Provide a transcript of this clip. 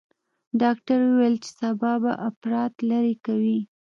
ډاکتر وويل چې سبا به اپرات لرې کوي.